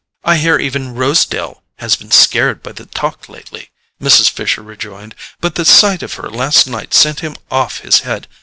"I hear even Rosedale has been scared by the talk lately," Mrs. Fisher rejoined; "but the sight of her last night sent him off his head.